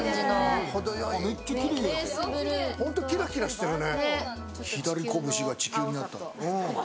ホント、キラキラしてるね。